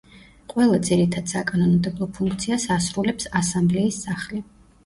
ყველა ძირითად საკანონმდებლო ფუნქციას ასრულებს ასამბლეის სახლი.